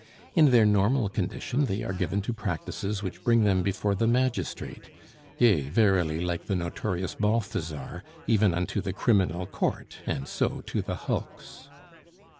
In their normal condition they are given to practices which bring them before the magistrate, yea, verily, like the notorious Balthazar, even unto the criminal court, and so to the hulks.